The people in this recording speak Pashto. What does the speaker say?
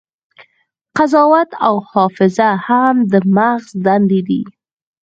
قضاوت او حافظه هم د مغز دندې دي.